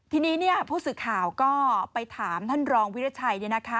ทีนี้ผู้สื่อข่าวก็ไปถามท่านรองวิรัชัย